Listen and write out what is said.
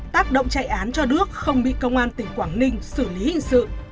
tác động chạy án cho đức không bị công an tỉnh quảng ninh xử lý hình sự